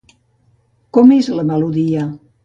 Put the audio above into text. Com és la melodia?